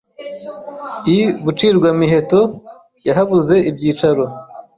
I Bucirwamiheto yahabuze ibyicaro